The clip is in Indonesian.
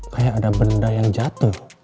kayak ada benda yang jatuh